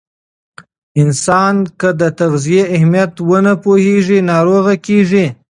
انسان که د تغذیې اهمیت ونه پوهیږي، ناروغ کیږي.